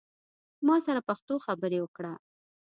ما سره پښتو خبری اوکړه